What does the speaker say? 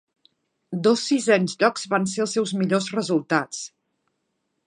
Dos sisens llocs van ser els seus millors resultats.